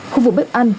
khu vực bếp ăn